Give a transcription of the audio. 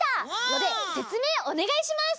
のでせつめいおねがいします！